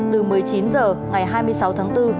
từ một mươi chín h ngày hai mươi sáu tháng bốn